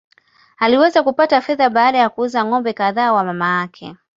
Aliweza kupata fedha baada ya kuuza ng’ombe kadhaa wa mamake.